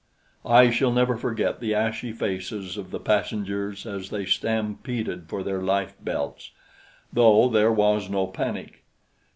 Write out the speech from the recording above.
I shall never forget the ashy faces of the passengers as they stampeded for their life belts, though there was no panic.